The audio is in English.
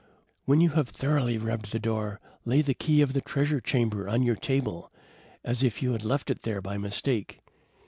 When you have thoroughly rubbed the door, lay the key of the treasure chamber on your table, as if you had left it there by mistake.